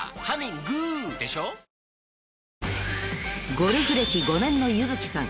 ［ゴルフ歴５年の柚月さん